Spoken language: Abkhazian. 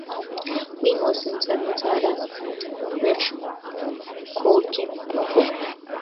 Уимоу зынӡа аныӡаара иаҿқәоугьы ыҟоуп.